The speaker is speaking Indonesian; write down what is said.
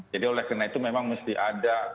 jadi oleh karena itu memang mesti ada